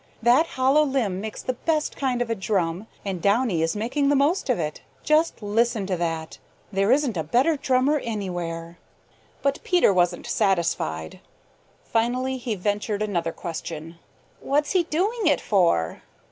That hollow limb makes the best kind of a drum and Downy is making the most of it. Just listen to that! There isn't a better drummer anywhere." But Peter wasn't satisfied. Finally he ventured another question. "What's he doing it for?"